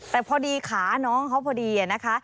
แต่พอดีขาน้องเขาพอดีนะคะ